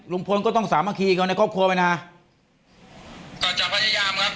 ลุงพลก็ต้องสามัคคีกันในครอบครัวไปนะก็จะพยายามครับ